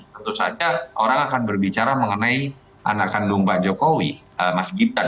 tentu saja orang akan berbicara mengenai anak kandung pak jokowi mas gibran